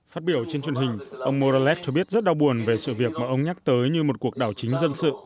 phát biểu trên truyền hình ông morales cho biết rất đau buồn về sự việc mà ông nhắc tới như một cuộc đảo chính dân sự